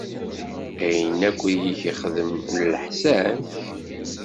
Ayen akk i iyi-ixdem n leḥsan?